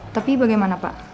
tapi bagaimana pak